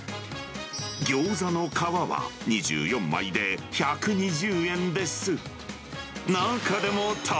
ギョーザの皮は２４枚で１２０円です。